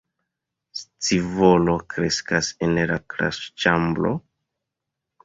Scivolo kreskas en la klasĉambro.